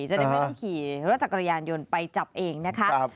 จะได้ไม่ต้องขี่รถจักรยานยนต์ไปจับเองนะคะ